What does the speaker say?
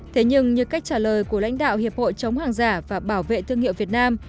thế nhưng như cách trả lời của lãnh đạo hiệp hội chống hàng giả và bảo vệ thương hiệu việt nam